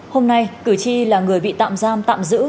hôm nay cử tri là người bị tạm giam tạm giữ